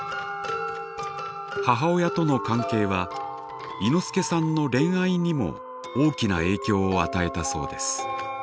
母親との関係はいのすけさんの恋愛にも大きな影響を与えたそうです。